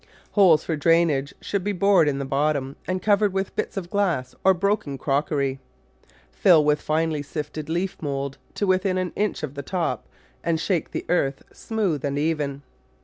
Holes for drainage should be bored in the bottom and covered with bits of glass or broken crockery. Fill with finely sifted leaf mould to within an inch of the top and shake the earth smooth and even.